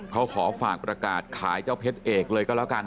เขาขอฝากประกาศขายเจ้าเพชรเอกเลยก็แล้วกัน